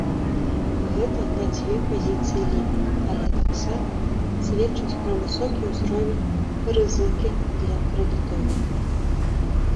Гэта на дзве пазіцыі лепей, але таксама сведчыць пра высокі ўзровень рызыкі для крэдытораў.